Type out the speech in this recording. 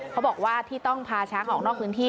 เขาบอกว่าที่ต้องพาช้างออกนอกพื้นที่